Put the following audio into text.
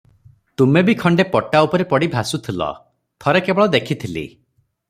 ତୁମେବି ଖଣ୍ଡେ ପଟା ଉପରେ ପଡ଼ି ଭାସୁଥିଲ, ଥରେ କେବଳ ଦେଖିଥିଲି ।